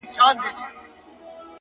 شكر چي ښكلا يې خوښــه ســوېده ـ